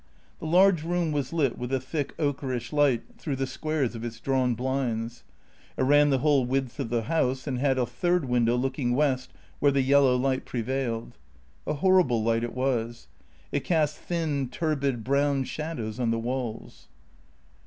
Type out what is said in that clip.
The large room was lit with a thick ochreish light through the squares of its drawn blinds. It ran the whole width of the house and had a third window looking west where the yellow light prevailed. A horrible light it was. It cast thin, turbid, brown shadows on the walls.